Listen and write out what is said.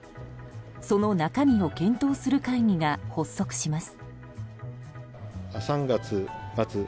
その中身を検討する会議が発足します。